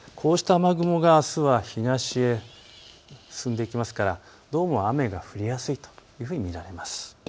こうした雨雲があすは東へ進んできますからどうも雨が降りやすいと見られます。